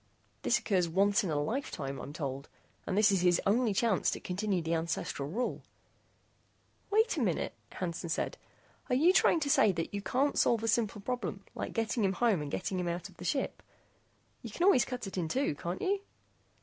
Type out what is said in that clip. This occurs once in a lifetime, I'm told, and this is his only chance to continue the ancestral rule " "Wait a minute," Hansen said. "Are you trying to say that you can't solve a simple problem like getting him home and getting him out of the ship? You can always cut it in two, can't you?"